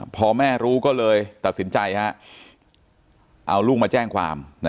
พอแม่รู้ก็เลยตัดสินใจเอาลูกมาแจ้งความ